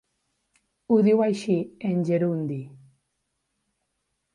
Ho diu així, en gerundi.